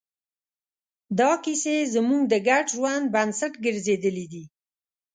دا کیسې زموږ د ګډ ژوند بنسټ ګرځېدلې دي.